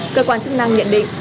cơ quan chức năng nhận định